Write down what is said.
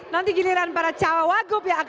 nanti giliran para cawagup yang akan aduk aduk